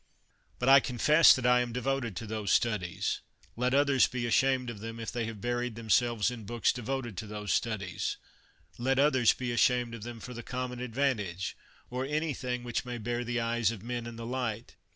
But I confess that I am devoted to those studies ; let others be ashamed of them if they have buried themselves in books devoted to those studies ; let others be ashamed of them for the common advantage, or anything which may bear the eyes of men and the light.